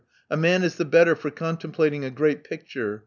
A man is the better for contem plating a great picture.